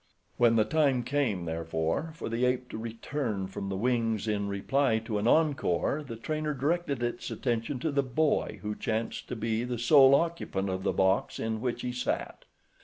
When the time came, therefore, for the ape to return from the wings in reply to an encore the trainer directed its attention to the boy who chanced to be the sole occupant of the box in which he sat.